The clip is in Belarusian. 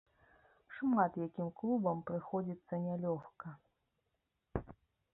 Шмат якім клубам прыходзіцца нялёгка.